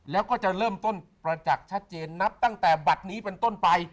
แล้วก็จะเริ่มต้นประจักษ์ชัดเจนนับตั้งแต่บัตรนี้เป็นต้นไป